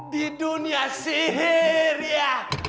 di dunia sihir ya